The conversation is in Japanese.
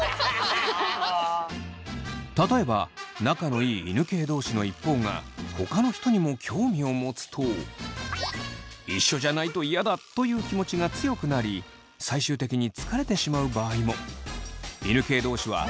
例えば仲のいい犬系同士の一方がほかの人にも興味を持つと一緒じゃないとイヤだという気持ちが強くなり最終的に疲れてしまう場合も。